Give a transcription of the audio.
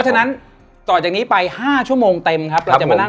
ท่วที่นั้นต่อจากนี้ไป๕ชั่วโมงเต็มครับ